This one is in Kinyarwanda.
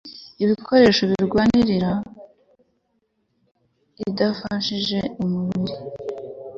ibikoresho birwanirira imirire idafashije umubiri